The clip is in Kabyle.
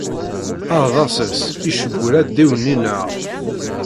Aɛḍas-nnes icewwel adiwenni-nneɣ.